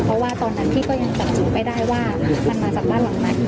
เพราะว่าตอนนั้นพี่ก็ยังจับจูไม่ได้ว่ามันมาจากบ้านหลังไหน